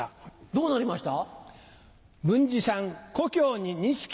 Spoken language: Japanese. どうなりました？